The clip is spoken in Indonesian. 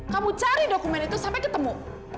kamu cari dokumen itu sampai ketemu